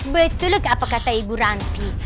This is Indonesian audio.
betul apa kata ibu ranti